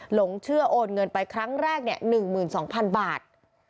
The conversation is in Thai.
หลงเชื่อโอนเงินไปครั้งแรก๑๒๐๐๐บาท